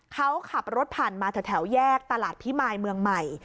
เขาขับรถผ่านมาแถวแยกตลาดพิมายเมืองใหม่